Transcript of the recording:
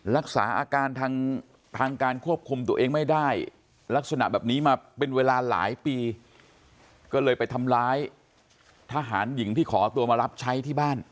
รักษาอาการทางการควบคุมตัวเองไม่ได้ลักษณะแบบนี้มาเป็นเวลาหลายปีก็เลยไปทำร้ายทหารหญิงที่ขอตัวมารับใช้ที่บ้าน